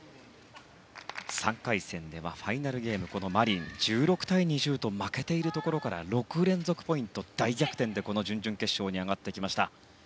３回戦ではファイナルゲーム、マリンは１６対２０と負けているところから６連続ポイントで大逆転でこの準々決勝に上がってきました。